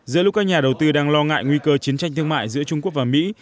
giữa lúc các nhà đầu tư đang lo ngại nguy cơ chiến tranh thương mại giữa trung quốc và mỹ